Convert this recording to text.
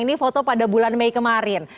ini foto pada bulan mei kemarin